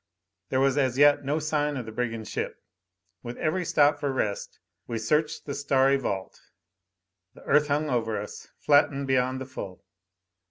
There was as yet no sign of the brigand ship. With every stop for rest we searched the starry vault. The Earth hung over us, flattened beyond the full.